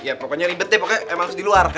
ya pokoknya ribet deh pokoknya emang harus di luar